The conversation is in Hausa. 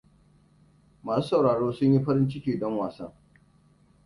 Masu sauraro sun yi farin ciki don wasan.